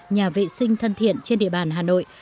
nhà vệ sinh thân thiện trên địa bàn hà nội